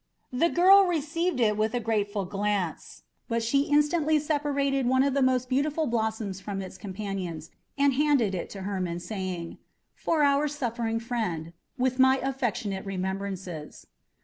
The girl received it with a grateful glance, but she instantly separated one of the most beautiful blossoms from its companions and handed it to Hermon, saying, "For our suffering friend, with my affectionate remembrances."